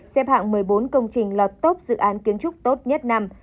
xếp hạng một mươi bốn công trình lọt tốt dự án kiến trúc tốt nhất năm